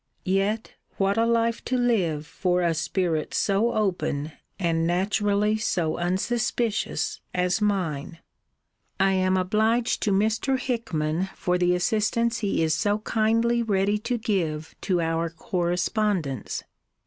Yet what a life to live for a spirit so open, and naturally so unsuspicious, as mine? I am obliged to Mr. Hickman for the assistance he is so kindly ready to give to our correspondence.